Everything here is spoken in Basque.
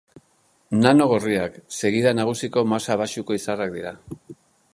Nano gorriak: segida nagusiko masa baxuko izarrak dira.